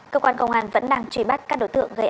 cơ quan công an vẫn đang truy bắt các đối tượng gây án